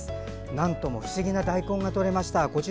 なんとも不思議な大根がとれました。